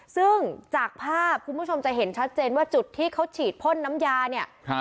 ซึ่งจากภาพคุณผู้ชมจะเห็นชัดเจนว่าจุดที่เขาฉีดพ่นน้ำยาเนี่ย